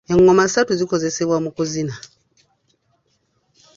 Engoma ssatu zikozesebwa mu kuzina .